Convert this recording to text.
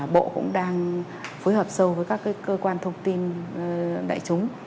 bộ cũng đang phối hợp sâu với các cơ quan thông tin đại chúng